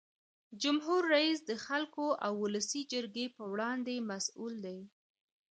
جمهور رئیس د خلکو او ولسي جرګې په وړاندې مسؤل دی.